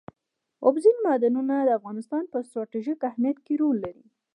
اوبزین معدنونه د افغانستان په ستراتیژیک اهمیت کې رول لري.